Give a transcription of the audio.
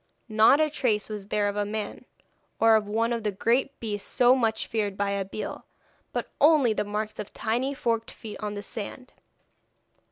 Not a trace was there of a man, or of one of the great beasts so much feared by Abeille, but only the marks of tiny forked feet on the sand.